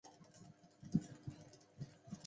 南面有两层高卵形学术报告厅。